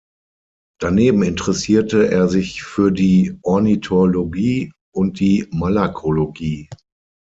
Daneben interessierte er sich für die Ornithologie und die Malakologie.